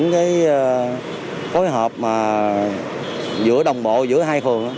những cái phối hợp mà giữa đồng bộ giữa hai phường